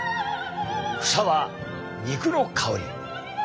房は肉の香り！